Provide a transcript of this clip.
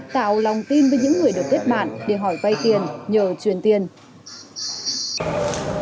tạo lòng tin với những người được kết bạn để hỏi vay tiền nhờ truyền tiền